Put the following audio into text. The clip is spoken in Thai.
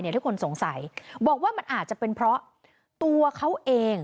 ทุกคนสงสัยบอกว่ามันอาจจะเป็นเพราะตัวเขาเอง